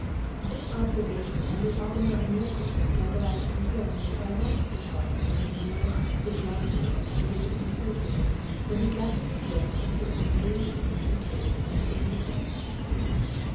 This observation renders all the more amusing the scandalised concern which I once beheld on the demure physiognomy of a visiting clergyman when he gathered the drift of certain allusions to a case on the Danger List.